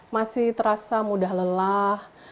masih terasa mudah lelah